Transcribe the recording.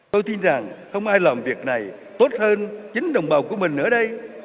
tôi tin rằng không ai làm việc này tốt hơn chính đồng bào của mình ở đây